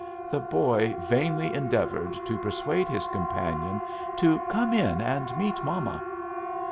The boy vainly endeavored to persuade his companion to "come in and meet mama."